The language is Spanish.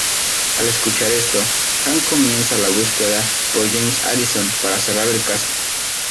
Al escuchar esto, Hank comienza la búsqueda por James Addison para cerrar el caso.